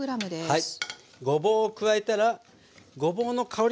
はい。